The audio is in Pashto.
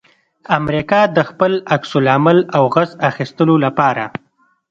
امریکا د خپل عکس العمل او غچ اخستلو لپاره